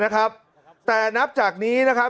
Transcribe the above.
ครับอ่านับต่อไปนะครับ